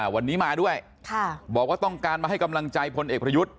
วันนี้มาด้วยบอกว่าต้องการมาให้กำลังใจพลเอกประยุทธ์